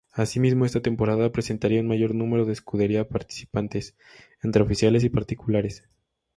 Asimismo, esta temporada presentaría un mayor número de escudería participantes, entre oficiales y particulares.